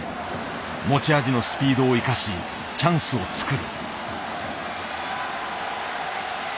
持ち味のスピードを生かしチャンスをつくる。